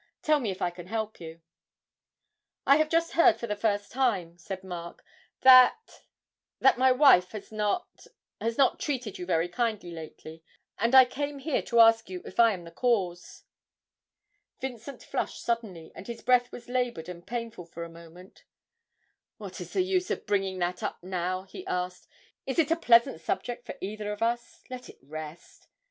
Tell me if I can help you?' 'I have just heard for the first time,' said Mark, 'that that my wife has not has not treated you very kindly lately. And I came here to ask you if I am the cause.' Vincent flushed suddenly, and his breath was laboured and painful for a moment. 'What is the use of bringing that up now?' he asked; 'is it a pleasant subject for either of us? Let it rest.'